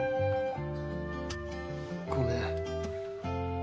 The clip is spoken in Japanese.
ごめん。